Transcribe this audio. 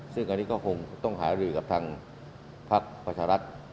ซึ่งอันนี้ก็คงต้องหารือกับทางพักประชารัฐ